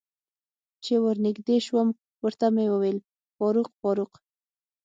چې ور نږدې شوم ورته مې وویل: فاروق، فاروق.